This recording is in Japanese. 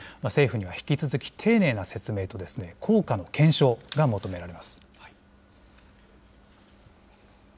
政府には引き続き丁寧な説明と効果の検証が求められます。